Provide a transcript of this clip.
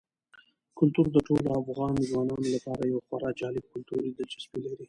کلتور د ټولو افغان ځوانانو لپاره یوه خورا جالب کلتوري دلچسپي لري.